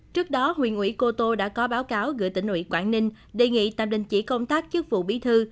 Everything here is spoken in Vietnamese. trước đó huyện ủy cô tô đã có báo cáo gửi tỉnh ủy quảng ninh đề nghị tạm đình chỉ công tác chức vụ bí thư